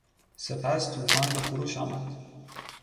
سپس توفان به خروش آمد.